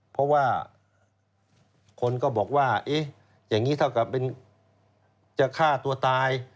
เพราะว่าคนก็บอกว่าเอ๊ะอย่างนี้เท่ากับเป็นจะฆ่าตัวตาย